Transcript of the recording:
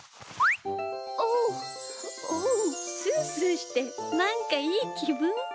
おっおうスースーしてなんかいいきぶん。